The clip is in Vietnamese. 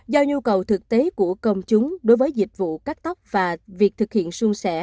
do nhu cầu thực tế của công chúng đối với dịch vụ cắt tóc và việc thực hiện xuân sẻ